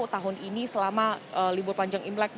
tahun ini selama libur panjang imlek